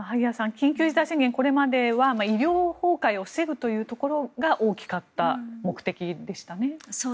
緊急事態宣言これまでは医療崩壊を防ぐというところが大きかった目的でしたね。